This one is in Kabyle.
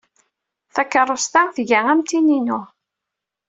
Takeṛṛust-a tga am tin-inu.